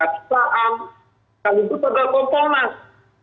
dan itu pada kompul nas